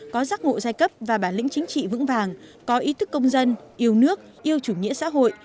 có giác ngộ giai cấp và bản lĩnh chính trị vững vàng có ý thức công dân yêu nước yêu chủ nghĩa xã hội